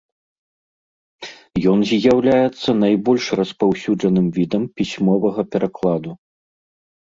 Ён з'яўляецца найбольш распаўсюджаным відам пісьмовага перакладу.